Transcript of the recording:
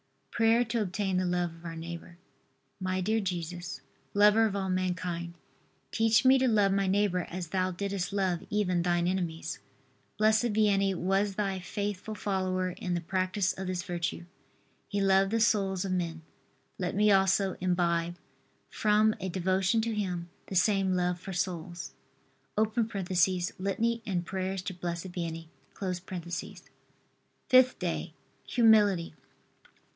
PRAYER TO OBTAIN THE LOVE OF OUR NEIGHBOR. My dear Jesus, lover of all mankind, teach me to love my neighbor as Thou didst love even Thine enemies. Blessed Vianney was Thy faithful follower in the practice of this virtue. He loved the souls of men. Let me also imbibe, from a devotion to him, the same love for souls. [Litany and prayers to Blessed Vianney.] FIFTH DAY. HUMILITY.